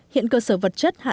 hiện cơ sở vật chất hà nội